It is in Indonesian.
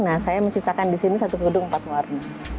nah saya menciptakan di sini satu pudung empat warna